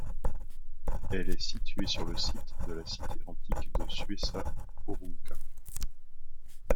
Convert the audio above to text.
Elle est située sur le site de la cité antique de Suessa Aurunca.